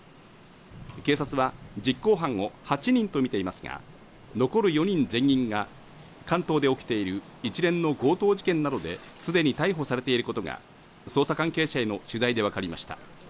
警察は、実行犯を８人とみていますが、残り４人全員が関東で起きている一連の強盗事件などで既に逮捕されていることが捜査関係者への取材で分かりました。